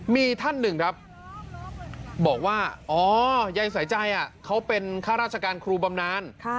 มีท่านหนึ่งครับบอกว่าอ๋อยายสายใจเขาเป็นข้าราชการครูบำนาน